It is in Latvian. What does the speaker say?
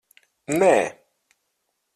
Nē.